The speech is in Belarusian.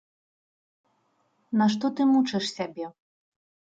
Нашто ты мучыш сябе?